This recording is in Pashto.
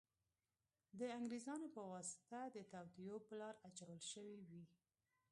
د انګریزانو په واسطه د توطیو په لار اچول شوې وې.